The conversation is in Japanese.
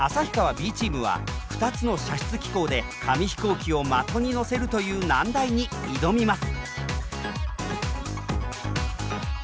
Ｂチームは２つの射出機構で紙飛行機を的に乗せるという難題に挑みます。